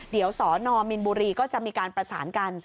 เดี๋ยวสนมินบุรีก็จะมีการประสานกัน